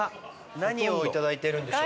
何をいただいてるんでしょうね。